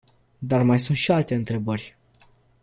Dar mai sunt și alte întrebări.